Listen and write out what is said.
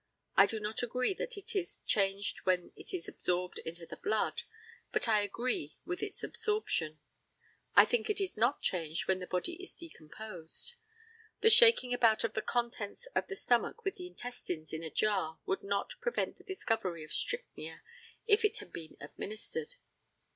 I do not agree that it is changed when it is absorbed into the blood, but I agree with its absorption. I think it is not changed when the body is decomposed. The shaking about of the contents of the stomach with the intestines in a jar would not prevent the discovery of strychnia if it had been administered.